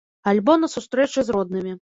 Альбо на сустрэчы з роднымі.